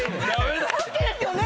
ＯＫですよね